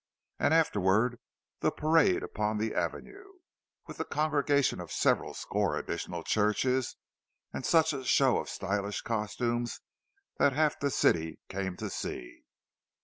—And afterward the parade upon the Avenue, with the congregations of several score additional churches, and such a show of stylish costumes that half the city came to see!